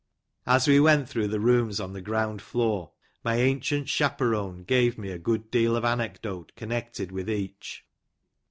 As we went through the rooms on the ground floor, my ancient chaperone gave me a good deal of anecdote con nected with each.